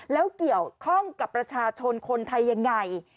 แล้วเกี่ยวข้องกับประชาชนคนไทยยังไง